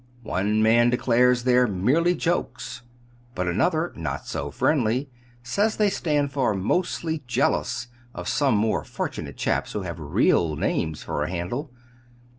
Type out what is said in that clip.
One man declares they're 'Merely Jokes'; but another, not so friendly, says they stand for 'Mostly Jealousy' of more fortunate chaps who have real names for a handle.